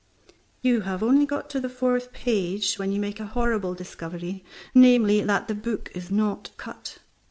You have only got to the fourth page, when you make a horrible discovery namely, that the book is not cut.